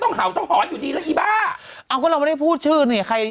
เห่าต้องหอนอยู่ดีแล้วอีบ้าเอาก็เราไม่ได้พูดชื่อนี่ใคร